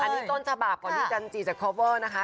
อันนี้ต้นฉบับก่อนที่จันจีจะคอปเวอร์นะคะ